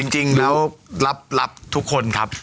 จริงแล้วรับทุกคนครับ